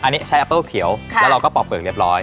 อันนี้ใช้แอปเปิ้ลเขียวแล้วเราก็ปอกเปลือกเรียบร้อย